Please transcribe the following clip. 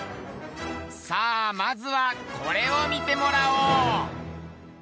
さあまずはこれを見てもらおう。